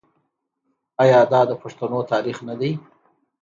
آیا دا د پښتنو تاریخ نه دی؟